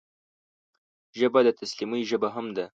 ژبه د تسلیمۍ ژبه هم ده